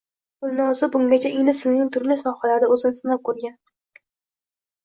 Gulnoza bungacha ingliz tilining turli sohalarida o‘zini sinab ko‘rgan.